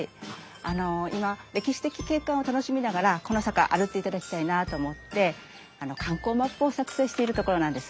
あの今歴史的景観を楽しみながらこの坂歩いていただきたいなあと思って観光マップを作成しているところなんです。